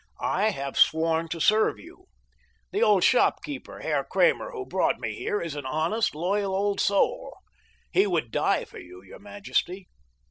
I have sworn to serve you. The old shopkeeper, Herr Kramer, who brought me here, is an honest, loyal old soul. He would die for you, your majesty.